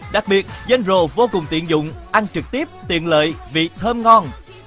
đặc biệt genro vô cùng tiện dụng ăn trực tiếp tiện lợi vị thơm ngon